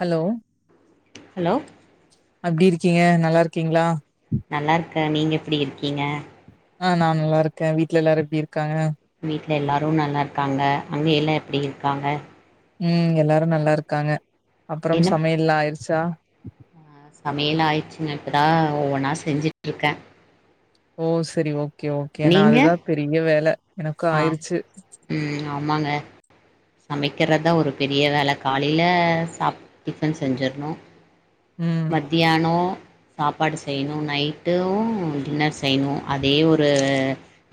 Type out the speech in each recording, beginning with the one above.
Hello hello அப்டி இருக்கீங்க நல்லா இருக்கீங்களா நல்லா இருக்க நீங்க எப்டி இருக்கீங்க ஆ நா நல்லா இருக்கே வீட்ல எல்லாரு எப்டி இருக்காங்க வீட்ல எல்லாரு நல்லா இருக்காங்க அங்க எல்லா எப்டி இருக்காங்க ம் எல்லாரு நல்லா இருக்காங்க அப்புறம் என்ன சமையல்லா ஆயிடுச்சா ஆஹ், சமையல் ஆயிடுச்சுங்க இப்போதா ஒவ்வொன்னா செஞ்சுட்ருக்கே ஓ செரி ஓகே ஓகே ஏனா நீங்க அதுதா பெரிய வேல எனக்கு ஆ ஆயிருச்சு ம் ஆமாங்க சமைக்கிறதா ஒரு பெரிய வேல காலையில சாப் டிஃபன் செஞ்சுர்னு ம் மத்தியானோ சாப்பாடு செய்யணு நைட்டு டின்னர் செய்யணு அதே ஒரு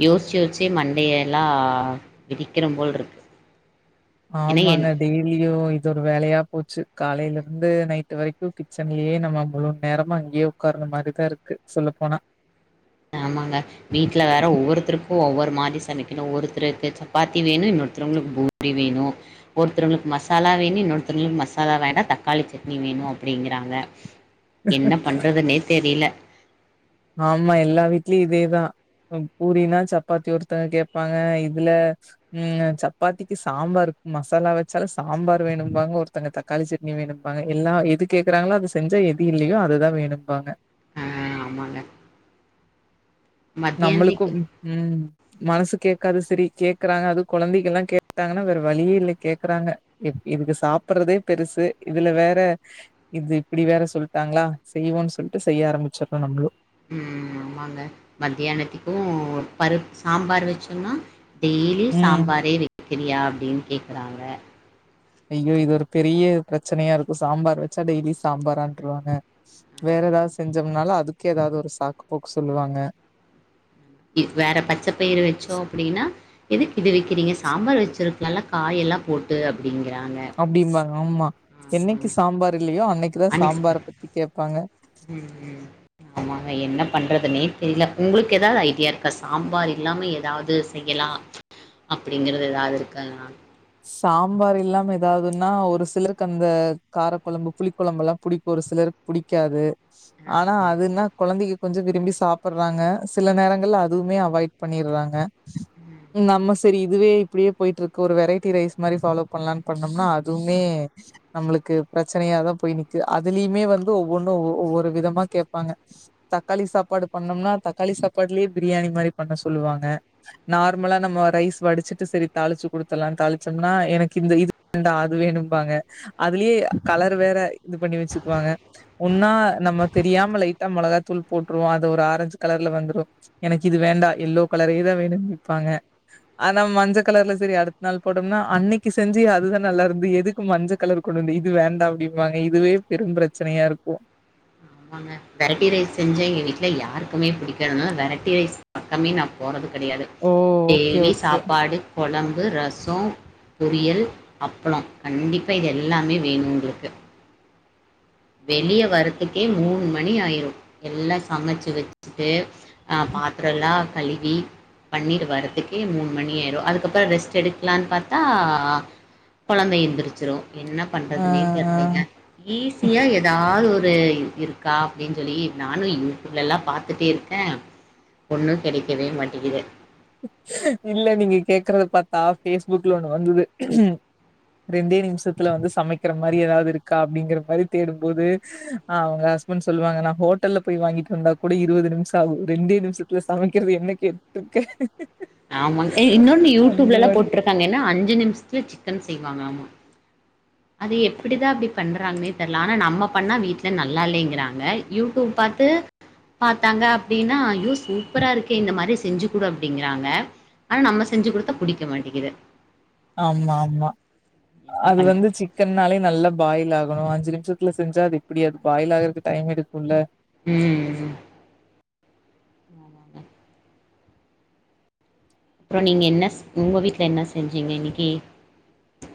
யோசிச்சு யோசிச்சு மண்டையெல்லா விதிக்கிற போல் இருக்கு ஏன்னா ஆமாங்க என் டெய்லியு இது ஒரு வேலையா போச்சு காலையில இருந்து நைட்டு வரைக்கு கிச்சன்லே நம்ம முழு நேரமா அங்யே உக்கார்ர மாரிதா இருக்கு சொல்ல போன ஆமாங்க வீட்ல வேற ஒவ்வொருத்தருக்கு ஒவ்வொரு மாதி சமைக்கணு ஒருத்ருக்கு சப்பாத்தி வேணு இன்னொருத்ருங்ளுக் பூ இப்டி வேணு ஒருத்ருங்ளுக் மசாலா வேணு இன்னொருத்துருங்ளுக் மசாலா வேண்டா தக்காளி சட்னி வேணு அப்டிங்கிறாங்க என்ன பண்றதுன்னே தெரில ஆமா எல்லா வீட்லி இதேதா அ பூரினா சப்பாத்தி ஒருத்தங்க கேப்பாங்க இதுல ம்க சப்பாத்திக்கி சாம்பாரு மசாலா வெச்சாலு சாம்பார் வேணும்பாங்க ஒருத்தங்க தக் காளி சட்னி வேணும்ப்பாங்க எல்லா எது கேக்குறாங்குளோ அத செஞ்சா எது இல்லயோ அதுதா வேணும்ப்பாங்க அ ஆமாங்க நம்மளுக்கு மத்தியானத்துக்கு ம் ம் மனசு கேக்காது செரி கேக்குறாங்க அது கொழந்தைகள்ல்லா கேட்டாங்கனா வேற வழியே இல்ல கேக்குறாங்க எப் இதுக்கு சாப்புட்றதே பெருசு இதுல வேற இது இப்புடி வேற சொல்ட்டாங்களா செய்வோன் சொல்ட்டு செய்ய ஆரம்மிச்சற்றோ நம்புளு ம் ஆமாங்க மத்தியானத்திக்கு பருப் சாம்பார் வச்சொன்னா டெய்ல்யு ம் சாம்பாரே வெக்கிறியா அப்டின் கேக்குறாங்க ஐயோ இது ஒரு பெரிய பிரச்சனயா இருக்கு சாம்பார் வெச்சா டெய்லி சாம்பாரான்ருவாங்க வேறெதாவ்து செஞ்சம்னாலு அதுக்கு எதாவ்து ஒரு சாக்கு போக்கு சொல்லுவாங்க இ வேற பச்ச பய்ரு வெச்சோ அப்புடினா எதுக் இது வக்கிறீங்க சாம்பார் வச்சிருக்லால்ல காயல்லா போட்டு அப்டிங்கிறாங்க அப்டிம்பாங்க ஆமா என்னைக்கி சாம்பார் இல்லயோ அன்னக்கிதா சாம்பார அன்எக்ஸ்பெக்ட் பத்தி கேப்பாங்க ம் ம் ஆம் வாங்க என்ன பண்றதுனே தெரில உங்ளுக்கு எதாது ஐடியா இருக்கா சாம்பார் இல்லாம எதாவ்து செய்யலா அப்புடிங்கிறது எதாது இருக்கா எத்னா சாம்பார் இல்லாம எதாவ்துன்னா ஒரு சிலருக்கு அந்த காரக்கொழம்பு புளி கொழம்புல்லா புடிக்கு ஒரு சிலருக் புடிக்காது ஆனா அதுன்னா கொழந்தைக்கு கொஞ்ச விரும்பி சாப்புற்றாங்க சில நேரங்கள்ல அதுவுமே அவாய்ட் பண்ணிற்றாங்க ம், நம்ம செரி இதுவே இப்புடியே போயிட்ருக்கு ஒரு வெரை தி ரைஸ் மாரி ஃபாலோ பண்ணலான் பண்ணம்னா அதுவுமே நம்முளுக்கு பிரச்சனையாதா போய் நிக்கிது அதுலிமே வந்து ஒவ்வொன்னு ஒவ் ஒவ்வொரு விதமா கேப்பாங்க தக்காளி சாப்பாடு பண்ணம்னா தக்காளி சாப்பாட்லியே பிரியாணி மாரி பண்ண சொல்லுவாங்க ம். நார்மலா நம்ம ரைஸ் வடிச்சுட்டு செரி தாளிச்சு குடுத்துர்லான் தாளி சம்னா எனக்கு இந்த இது வேண்ட அது வேணும்பாங்க அதுலியே கலர் வேற இது பண்ணி வச்சுக்குவாங்க ஒன்னா நம்ம தெரியாம லைட்டா மொளகாத்தூள் போட்ருவோ அது ஒரு ஆரஞ்சு கலர்ல வந்துரு எனக் இது வேண்டா யெல்லோ கலரே தா வேணுன் நிப்பாங்க ஆனா மஞ்ச கலர்ல செரி அடுத் நாள் போடம்னா அன்னக்கி செஞ்சியே அதுதா நல்லாருந்து எதுக்கு மஞ்ச கலர் கொண்டு வந்த இது வேண்டா அப்டிம்பாங்க இதுவே பெரும் பிரச்சனயா இருக்கு அமாங்க வெரைட்டி ரைஸ் செஞ்சா எங்க வீட்ல யாருக்குமே புடிக்காதனால வெரைட்டி ரைஸ் பக்கமே நா போறது கடையாது ஓ ஓகே டெய்லி ஓகே சாப்பாடு கொழம்பு ரசோ பொரியல் அப்புளோ கண்டிப்பா இது எல்லாமே வேணு உங்ளுக்கு வெளிய வரதுக்கே மூண் மணி ஆயிரு எல்லா சமைச்சி வச்சுட்டு அ பாத்ரல்லா கழுவி பண்ணிடு வரதுக்கே மூண் மணி ஆய்ரு அதுக்கப்புற ரெஸ்ட் எடுக்லான் பாத்தா கொழந்த எந்திரிச்சிரும் என்ன ஆ பண்றதுன்னே ஆ தெர்லைங்க ஈ சியா ஏதாவது ஒரு இருக்கா அப்டின் சொல்லி நானும் யூடியூப்லல்லா பாத்துட்டே இருக்கன் ஒண்ணு கெடைக்கவே மாட்டிகிது இல்ல நீங்க கேக்கறத பாத்தா பேஸ்புக்ல ஒண்ணு வந்தது ரெண்டே நிமிஷத்துல வந்து சமைக்கிற மாரி எதாவது இருக்கா அப்டிங்கிற மாரி தேடும்போது ஆ அவுங்க ஹஸ்பண்ட் சொல்லுவாங்க நா ஹோட்டல்ல போயி வாங்கிட்டு வந்தா கூட இருவது நிம்ஷம் ஆகும் ரெண்டே நிமிஷத் துல சமைக்கிறது என்ன கேட்டுருக்க ஆமாங் ஏ இன்னொன்னு யூடியூப்லலா மாரி போட்டுருக்காங்க என்னா அஞ்சி நிமிஷத்துல சிக்கன் செய்வாங்கலாமா அது எப்டிதா அப்டி பண்றாங்கன்னே தெர்ல ஆனா நம்ம பண்ணா வீட்ல நல்லா இல்லைங்கிறாங்க யூடியூப் பாத்து பாத்தாங்க அப்டின்னா ஐயோ சூப்பரா இருக்கே இந்த மாரி செஞ்சிக்குடு அப்டிங்கிறாங்க ஆனா நம்ம செஞ்சிக்குடுத்தா புடிக்க மாட்டிகிது ஆமா ஆமா என்ன அது பண்றது? வந்து சிக் கன்னாலே நல்லா பாயில் ஆகணும் அஞ்சி நிமிஷத்துல செஞ்சா அது எப்டி அது பாயில் ஆகறதுக்கு டைம் எடுக்குல்ல ம் ம் ஆமாங்க அப்புறோ நீங்க என்ன உங்க வீட்ல என்ன செஞ்சிங்க இன்னிக்கி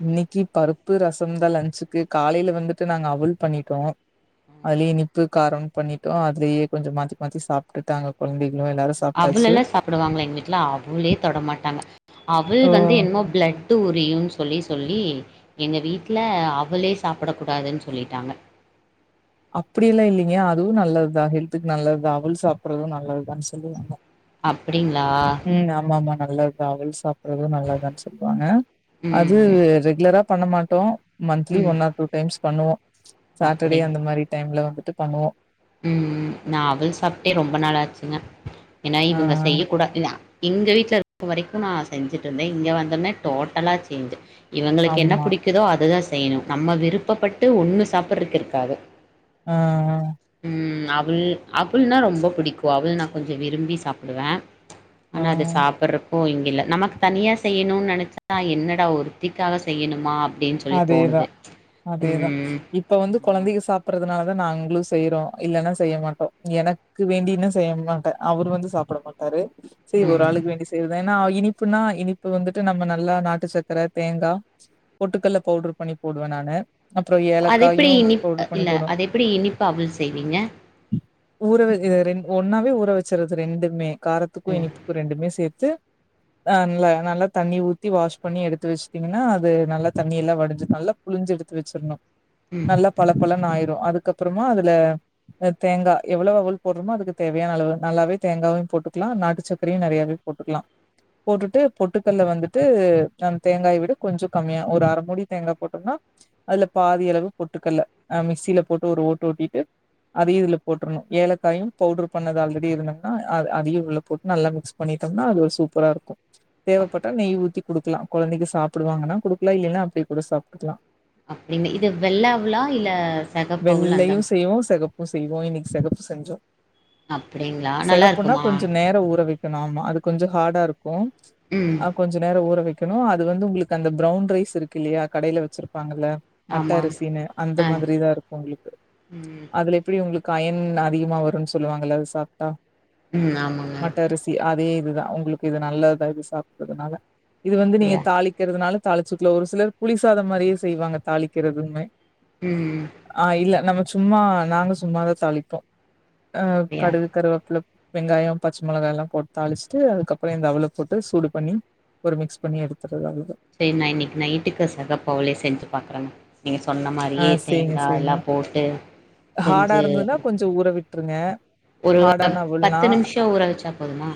இன்னைக்கி பருப்பு ரசம்தா லன்ச்சிக்கு காலையில வந்துட்டு நாங்க அவல் பண்ணிட்டோம் அதுலயே இனிப்பு காரம் பண்ணிட்டோம் அதுலயே கொஞ்சம் மாத்தி மாத்தி சாப் ட்டுடாங்க கொழந்தைங்க எல்லா அவுளு எல்லாம் சாப்டுவாங்கள எங்க வீட்ல அவுளே தொட மாட்டாங்க அவுள் ஓ வந்து என்னமோ பிளடு உரியுன் சொல்லி சொல்லி எங்க வீட்ல அவுலே சாப்ட கூடாதுன் சொல்லிட்டாங்க அப்டில்லா இல்லைங்க அதுவும் நல்லதுதா ஹெல்த்துக்கு நல்லதுதா அவுல் சாப்பறதும் நல்லதுதான் சொல்லுவாங்க அப்டிங்கிளா ம் ஆமா ஆமா நல்லது தா அவுல் சாப்பறதும் நல்லதுதான் சொல்லுவாங்க ம், அது ம். ரெகுலரா பண்ண மாட்டோம் மந்த்லி ம். ஒன் ஆர் டூ டைம்ஸ் பண்ணுவோம் சாட்டடே அப்படிங் அந்த மாரி டைம்ல வந்துட்டு பண்ணுவோம் ம் ம் நா அவுல் சாப்ட்டே ரொம்ப நாளாச்சிங்க ஏனா ஆ இவங்க செய்ய கூடா இ எங்க வீட்ல இப்ப வரைக்கும் நா செஞ்சிட்டு இருந்தே இங்க வந்தொன்னே டோட்டலா சேஞ்சி இவங்களுக்கு என்ன ஆமா. புடிக் கிதோ அதுதா செய்னும் நம்ம விருப்பட்டு ஒண்ணு சாப்பறக்கு இருக்காது ஆ ம் அவுல் அவுல்னா ரொம்ப புடிக்கும் அவுலா நா கொஞ்சம் விரும்பி சாப்டுவே ஆ ஆனா அது சாப்பறப் போ இங்க இல்ல நமக்கு தனியா செய்யனுன் நெனச்சா என்னடா ஒருத்திக்காக செய்யனுமா அப் டின் சொல்லி தோணுது அதேதான், அதேதான். இப்ப வந்து ஆமா கொழந்தைக்கு சாப்பறதுனால தா நாங்களும் செய்யறோம் இல்லன்னா செய்ய மாட்டோம் எனக் கு வேண்டியனு செய்ய மாட்ட அவரு வந்து சாப்ட மாட்டாரு சி ஒரு ம் ஆளுக்கு வேண்டி செய்யறதா ஏன்னா இனிப்புன்னா இனிப்பு வந்துட்டு நம்ம நல்லா நாட்டு சக்கர தேங்கா பொட்டுக்கல்ல பவுடர் பண்ணி போடுவே நானு அப்புறோ அது எப்டி ஏலக்காயு இனிப் பவுடர் பண்ணி இல்ல போடுவே. அது எப்டி இனிப்பா அவுல் செய்வீங்க ஊற வ இத ரெண் ஒன்னாவே ஊற வச்சரது ரெண்டுமே ஓ! காரத்துக்கும் இனிப்புக்கும் ரெண்டுமே சேத்து ஆ நல்ல நல்லா தண்ணி ஊத்தி வாஷ் பண்ணி எடுத்து வச்சட்டீங்கன்னா அது நல்லா தண்ணி எல்லாம் வடிஞ்சி நல்லா புழிஞ்சி எடுத்து வச்சிருணும் ம். நல்லா பள பளன் ஆயிரு அதுக்கப்றமா அதுல அ‌ தேங்கா எவ்ளோ அவல் போட்றோமோ அதுக்கு தேவையான அளவு நல்லாவே தேங்காவயு போட்டுக்லா நாட்டு சக்கரையு நெறயாவே போட்டுக்லா போட்டுட்டு பொட்டுக்கல்ல வந்துட்டு நம் தேங்காய விட கொஞ்சொ கம்மியா ஒரு அர மூடி தேங்கா போட்டொம்னா அதுல பாதி அளவு பொட்டுக்கல்ல ஆ மிக்சில போட்டு ஒரு ஓட்டு ஓட்டிட்டு அதையு இதுல போட்றனு ஏலக்காயு பவுட்ரு பண்ணது ஆல்ரெடி இருந்துன்னா அத அதையு உள்ள போட்டு நல்லா மிக்ஸ் பண்ணிட்டோம்னா அது ஒரு சூப்பரா இருக்கு தேவப்பட்டா நெய் ஊத்தி குடுக்லா கொழந்தைங்க சாப்புடுவாங்கனா குடு க்லா இல்லைனா அப்டி கூட சாப்டுக்லா அப்டின்னு இது வெள்ள அவுலா இல்ல செகப்பவுல் அந்த பியு செகப் பு செய்வோ இன்னைக்கி செகப்பு செஞ்சோ அப்படிங்களா? நல்லா செகப்புன்னா இருக்குமா? கொஞ்ச நேர ஊறவெ க்கனு ஆமா அது கொஞ்ச ஹாடா இருக்கு ம். அ கொஞ்ச நேர ஊற வக்கனு அது வந்து உங்களுக்கு அந்த ப்ரவுன் ரைஸ் இருக்குல்லியா கடைல வச்சுருப்பாங்கல்ல மட்ட ஆமா. அரிசினு அந்த ஆ. மாதிரிதா இருக்கு உங்ளுக்கு ம். அதுல எப்பிடி உங்களுக்கு அயன் அதிகமா வருன் சொல்லுவாங்கல அத சாப்ட்டா ம். ஆமாங்க. மட்ட அரி சி அதே இதுதா உங்ளுக்கு இது நல்லதுதா இது சாப்புறதுனால இது வந்து நீங்க அப்படியா? தாளிக்கிறதுனாலு தாளி ச்சுக்லா ஒரு சிலர் புளிசாத மாரியே செய்வாங்க தாளிக்கிறதுமே ம் ஆ இல்ல நம்ம சும்மா நாங்க சும்மாதா தாளிப்போ ஆ அப்படியா? கடுகு கருவேப்புல வெங்காயொ பச்ச மொளகா எல்லா போட் தாளிச்ட்டு அதுக்கப்றோ இந்த அவுல போட்டு சூடு பண்ணி ஒரு மிக்ஸ் பண்ணி எடுத்துர்றது அவ்ளதா சேர் நா இன்னக்கி நைட்டுக்கு செகப்பவுலே செஞ்சு பாக்குறேங்க நீங்கள் சொன்ன ஆ மாரியே செய்ங்க தேங்கா செய்ங்க எல்லா போட்டு செஞ்சு டு ஊற விட்ருங்க ஒரு ஹார்டான அவல்னா பத்து நிம்ஷொ ஊற வச்சா போதுமா?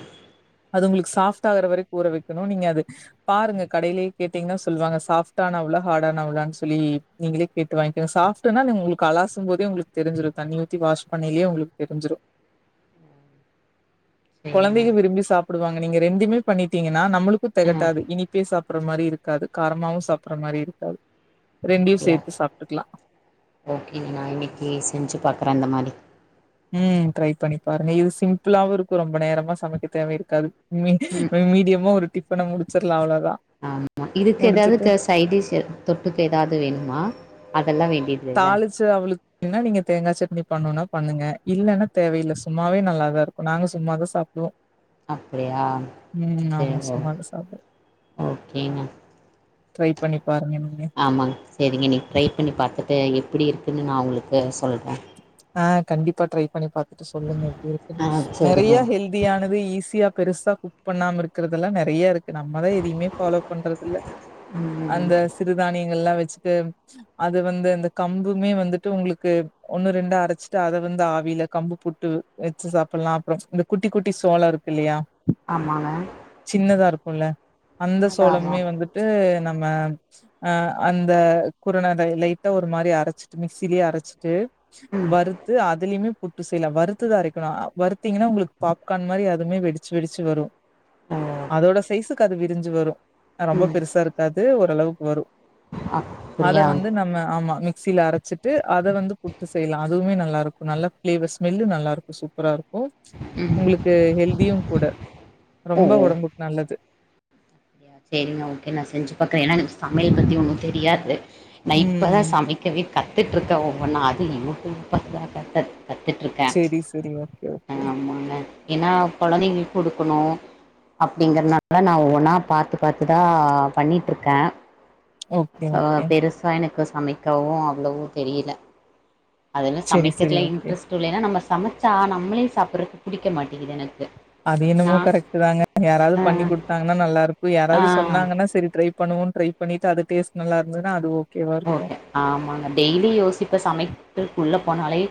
அது உங்ளுக்கு சாஃப்ட் ஆகுற வரைக் ஊற வக்கெனு நீங்க அது பாருங்க கடைலே கேட்டீங்னா சொல்வாங்க சாஃப்டான அவுலா ஹாடான அவுலான் சொல்லி நீங்களே கேட்டு வாங்கெங்க சாஃப்டுன்னா நி உங்ளுக் அலாசும்போதே உங்ளுக் தெருஞ்சுரு தண்ணி ஊத்தி வாஷ் பன்னைலே உங்களுக் தெருஞ்சுரு சரிங்க. கொழந்தைக விரும்பி சாப் புடுவாங்க நீங்க ரெண்டுமே பண்ணிட்டீங்கனா நம்மளுக்கு ஆ தெகட்டாது இனிப்பே சாப்புற மாரி இருக்காது காரமாவு சாப்புற மாரி இருக்காது ரெண்டையு அப்படியா? சேத்து சாப்ட்டுக்லா ஓகேங்க நா இன்னக்கி செஞ்சு பாக்குற அந்த மாரி ம் ட்ரை பண்ணி பாருங்க இது சிம்பிளாவு இருக்கு ரொம்ப நேரமா சமைக்க தேவ இருக்காது மி ம் மீடியமா ஒரு டிப்பன முடிச்சர்லா அவ்ளதா ஆமா இதுக்கு எதாவ்து க சைட்டிஷு தொட்டுக்க எதாது வேணுமா அதெல்லா வேண்டிய தாளிச்சி அவலுக் இல்லன்னா நீங்க தேங்கா சட்னி பண்ணுன்னா பண்ணுங்க இல்லனா தேவயில்ல சும்மாவே நல்லாதா இருக்கு நாங்க சும்மாதா சாப்டுவோ அப்டியா சேர் ஓ சும்மா தான் சாப்பிடுவோம். ஓகேங்க ட்ரை பண்ணி பாருங்க நீங்க ஆமாங் சேரிங்க இன்னிக் ட்ரை பண்ணி பாத்துட்டு எப்மிடி இருக்குன்னு நா உங்களுக்கு சொல்றே ஆ கண்டிப்பா ட்ரை பண்ணி பாத்துட்டு சொல்லுங்க எப்டி இருக்குன் ஆ நெறைய சேரிங்க ஹெல் த்தியானது ஈஸியா பெருசா குக் பண்ணாம இருக்குறதெல்லா கல் நெறைய இருக் கு நம்மதா எதையுமே ஃபாலோ பண்றதில்ல அந்த ம் சிறுதானியங்கள்லா வச்சுட்டு அது வந்து அந்த கம்புமே வந்துட்டு உங்ளுக்கு ரெண்டோ அரச்சிட்டு அத வந்து ஆவில கம்பு புட்டு வெச்சி சாப்புட்லா அப்றோ இந்த குட்டி குட்டி சோளோ இருக்கு இல்லையா ஆமாங்க சின்னதா இருக்கும்ல அந்த சின்னதாவா சோளமுமே வந்துட்டு அ அந்த குரன அத லைட்டா ஒரு மாரி அரச்சிட்டு மிக்ஸிலேயே அரைச்சிட்டு ம் வறுத்து அதுலயுமே புட்டு செய்லாம் வருத்துதா அரைக்கணு வருத்தீங்கன்னா உங்களுக்கு பாப்கார்ன் மாரி அதுவுமே வெடிச்சி வெடிச்சி வரும் ஓ அதோட சைஸுக்கு அது விரி்ஞ்சி வரு அ ரொம்ப ம் பெருசா இருக்காது ஓரளவுக்கு வரு அத அப்டியா வந்து நம்ம ஆமா மிக்ஸில அரச் வெச்சிட்டு அத வந்து புட்டு செய்யலா அதுவுமே நல்லா இருக்கு நல்லா ஃபிளேவர் ஸ்மெல்லு நல்லா இருக்கு சூப்பரா இருக்கு ம் உங்களுக்கு ஹெல்தியு கூட ரொம்ப ஒடம்புக்கு நல்லது செரிங்க ஓகே நான் செஞ்சி பாக்குறே ஏன்னா எனக்கு சமையல் பத்தி ஒன்னு தெரியாது நா இப்பதா ம் சமைக் இருக்கவே கத்துட்டு இருக்க ஒவ்வொன்னா அது யூடியூப் பாத்து தா கத்து கத்துட்டிருக்கே செரி செரி ஓகே ஓகே ஆமாங்க ஏன்னா கொழந்தைகலுக்கு குடுக்கணு அப்டிங்கறனால நா ஒவ்வொன்னா பாத்து பாத்துதா பண்ணிட் இருக்கே ஓகே சோ ஓகே பெருச சா எனக்கு சமைக்கவு அவ்ளவோ தெரில அதல செரி செரி சமைக்கிறதுல ஓகே இன்ட்ரெஸ்ட் துல நம்ம சமைச்சா நம்மளே சாப்றதுக்கு பிடிக்க மாட்டேங்குது எனக்கு அது நா என்னமோ கரெக்ட் தாங்க யாராவது ஆ பண்ணி குடுத்தாங்கன்னா நல்லா இருக்கு யாராவது ஆ சொன்னாங்கன்னா செரி ட்ரை பண்ணுவோ ட்ரை பண்ணிட்டு அது டேட்ஸ் நல்லா இருந்தன்னா அதுவு ஓகே ஆமாங்க டெய்லி யோசிப்ப சமைகத்துக்கு உள்ள போனாலே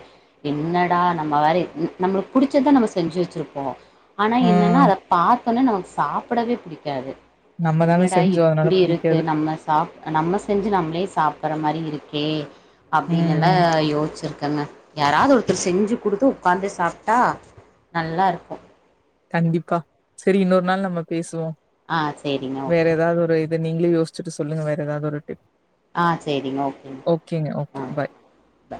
என்னடா நம்ம வேற நம்ளுக்கு புடிச்சதா நம்ம செஞ்சி வெச்சிருப்போ ஆனா என்னன்னா ம் அத பாத்தோன்னே நமக்கு சாப்டவே பிடிக்காது நம்ம தான என்னடா செஞ்சோ அதனால இப்டி இருக்கு பிடிக்காது நம்ம சாப் நம்ம செஞ்சி நம்மளே சாப்பட்ற மாரி இருக்கே ம் அப்டின்னெல்லா ம். யோசிச்சிருக்கங்க யாராவது ஒருத்தர் செஞ்சி குடுத்து ஒக்காந்து சாப்டா நல்லாருக்கு கண்டிப்பா செரி இன்னொரு நாள் நம்ம பேசுவோ ஆ சரிங்க. வேற ஓகே. ஏதாவது ஒரு வந்து நீங்களே யோசிச்சிட்டு சொல்லுங்க வேற ஏதாது ஒரு டிப் ஆ சரிங்க. ஓகேங்க ஓகே ஆ. Bye by.